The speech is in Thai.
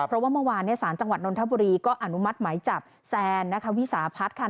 เพราะว่าเมื่อวานสารจังหวัดนทบุรีก็อนุมัติหมายจับแซนนะคะวิสาพัฒน์ค่ะ